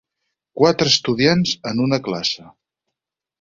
Quatre estudiants en una classe.